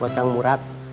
buat kamu murad